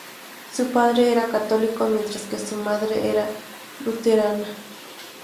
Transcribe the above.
Su padre era católico, mientras que su madre era luterana.